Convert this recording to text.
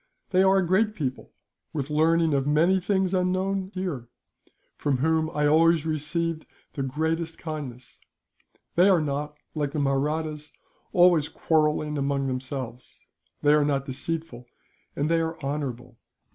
They are a great people, with learning of many things unknown here, from whom I always received the greatest kindness. They are not, like the Mahrattas, always quarrelling among themselves; they are not deceitful, and they are honourable.